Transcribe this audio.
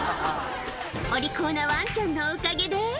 お利口なワンちゃんのおかげで。